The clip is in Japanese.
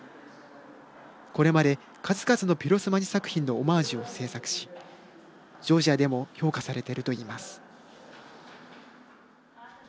これまで数々のピロスマニ作品のオマージュを制作しジョージアでも評価されているといいます。